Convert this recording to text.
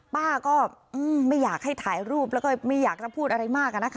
ป้าก็ไม่อยากให้ถ่ายรูปแล้วก็ไม่อยากจะพูดอะไรมากอะนะคะ